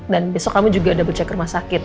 dan besok kamu juga double check rumah sakit